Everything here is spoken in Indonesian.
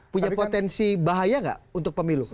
punya potensi bahaya nggak untuk pemilu